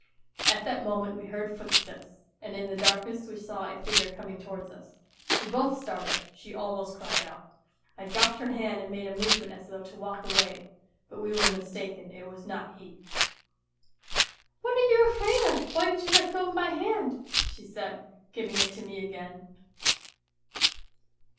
..." At that moment we heard footsteps, and in the darkness we saw a figure coming towards us. We both started ; she almost cried out ; I dropped her hand and made a movement as though to walk away. But we were mistaken, it was not he. " What are you afraid of ? Why did you let go of my hand ?" WHITE NIGHTS 35 she said, giving it to me again.